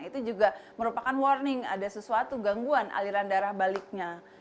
itu juga merupakan warning ada sesuatu gangguan aliran darah baliknya